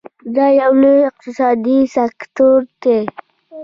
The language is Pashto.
دا یو لوی اقتصادي سکتور دی.